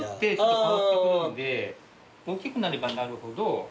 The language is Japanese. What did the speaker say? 大きくなればなるほど。